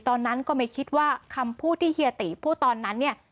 ตอนนั้นก็ไม่คิดว่าคำพูดที่เฮียติพูดตอนนั้นเนี่ย